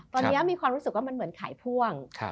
ตอนนี้มีความรู้สึกว่ามันเหมือนขายพ่วง